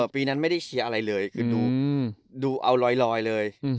ปีนั้นไม่ได้เคลียร์อะไรเลยคือดูเอาลอยเลย